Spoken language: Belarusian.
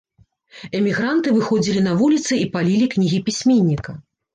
Эмігранты выходзілі на вуліцы і палілі кнігі пісьменніка.